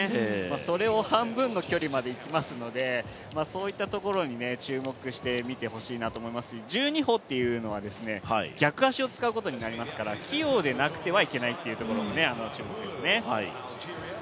それを半分の距離までいきますので、そういったところに注目して見てほしいなと思いますし、１２歩というのは逆足を使うことになりますから器用でなくてはいけないというところも注目ですね。